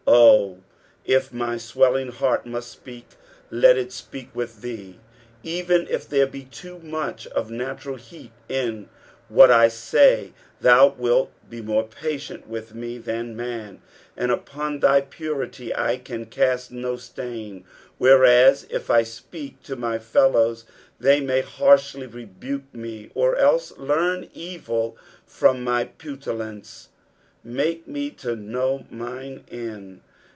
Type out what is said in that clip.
Oh 1 if my Bwelling heart muat apeak, Iiord let it speak with thee ; eveit if there be too much of natural heat in what I say, thou wilt be moie patient with me than man, and upon thy purity it can cast no stain ; whereas if 1 speak to my fellows, they may harshly rebuke me or else learn evil from my petulance. "Make me to hum mine end."